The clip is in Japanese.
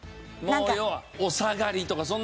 要はお下がりとかそんなのしかない。